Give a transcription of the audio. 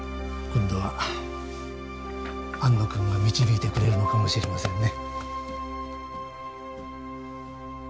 今度は安野君が導いてくれるのかもしれませんね